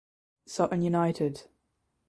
Sutton United